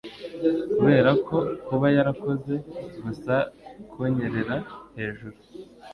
kuberako kuba yarakoze gusa kunyerera hejuru